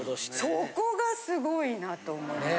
そこがすごいなと思いました。